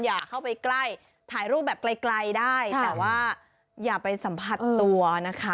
อย่าเข้าไปใกล้ถ่ายรูปแบบไกลได้แต่ว่าอย่าไปสัมผัสตัวนะคะ